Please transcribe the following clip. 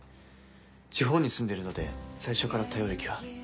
地方に住んでるので最初から頼る気は。